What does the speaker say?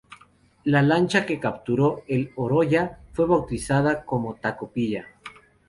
La lancha que capturó el "Oroya" fue bautizada como "Tocopilla".